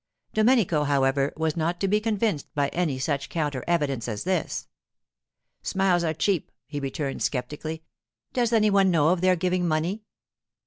Domenico, however, was not to be convinced by any such counter evidence as this. 'Smiles are cheap,' he returned sceptically. 'Does any one know of their giving money?